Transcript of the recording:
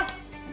dulu waktu itu